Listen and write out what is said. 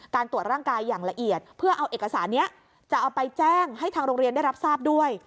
ตรวจร่างกายอย่างละเอียดเพื่อเอาเอกสารนี้จะเอาไปแจ้งให้ทางโรงเรียนได้รับทราบด้วย